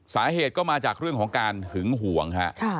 สาเหตุก็มาจากเรื่องของการหึงห่วงฮะ